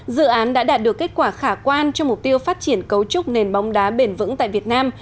dự án đã đạt được kết quả khả quan cho mục tiêu phát triển cấu trúc nền bóng đá bền vững tại việt nam